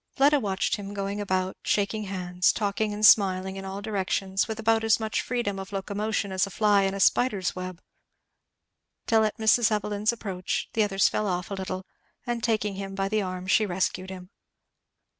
Fleda watched him going about, shaking hands, talking and smiling, in all directions, with about as much freedom of locomotion as a fly in a spider's web; till at Mrs. Evelyn's approach the others fell off a little, and taking him by the arm she rescued him.